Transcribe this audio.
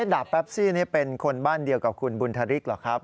ดาบแปปซี่นี่เป็นคนบ้านเดียวกับคุณบุญธริกเหรอครับ